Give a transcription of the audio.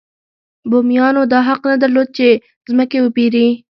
بومیانو دا حق نه درلود چې ځمکې وپېري.